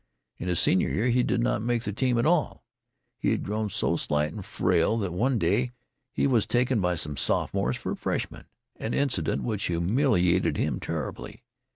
In his senior year he did not make the team at all. He had grown so slight and frail that one day he was taken by some sophomores for a freshman, an incident which humiliated him terribly.